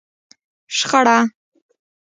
شخړه